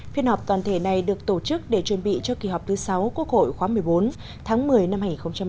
phiên họp toàn thể này được tổ chức để chuẩn bị cho kỳ họp thứ sáu quốc hội khóa một mươi bốn tháng một mươi năm hai nghìn một mươi chín